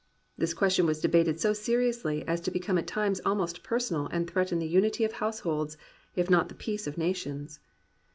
This question was debated so seriously as to become at times almost personal and threaten the unity of households if not the peace of nations.